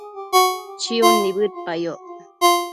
chiun nibëdpayoc